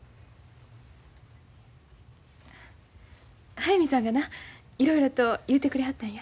速水さんがないろいろと言うてくれはったんや。